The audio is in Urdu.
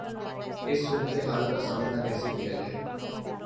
اس صورتحال کا سامنا کیسے کیا جائے؟